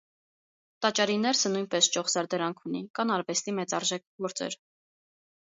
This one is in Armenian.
Տաճարի ներսը նույնպես ճոխ զարդարանք ունի, կան արվեստի մեծարժեք գործեր։